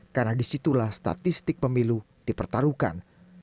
karena disitulah statistik pemilu dipertaruhkan